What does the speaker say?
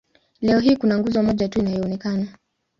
Leo hii kuna nguzo moja tu inayoonekana.